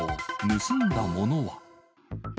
盗んだものは？